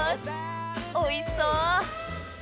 おいしそう！